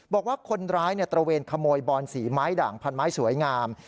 บอกว่าคนร้ายตระเวนขโมยบอนสีไม้ด่างพันไม้สวยงาม